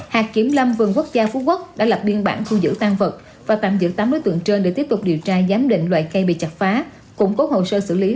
hạt kiểm lâm vân quốc gia phú quốc đã lập biên bản thu giữ tan vật và tạm giữ tám đối tượng trên để tiếp tục điều tra giám định loại cây bị chặt phá củng cốt hồ sơ xử lý theo đúng pháp luật